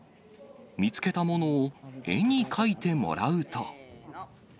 見つけたものを絵に描いてもらうと。